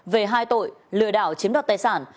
về hai tội lừa đảo chiếm đoạt tài sản